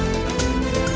teganya teganya teganya